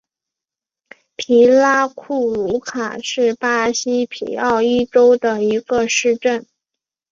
皮拉库鲁卡是巴西皮奥伊州的一个市镇。